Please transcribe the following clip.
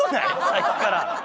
さっきから。